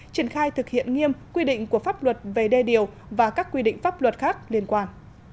triển khai thực hiện nghiêm quy định của pháp luật về đê điều và các quy định pháp luật khác liên quan